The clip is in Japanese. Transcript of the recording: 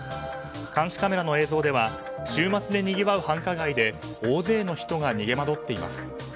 監視カメラの映像では週末でにぎわう繁華街で大勢の人が逃げ惑っています。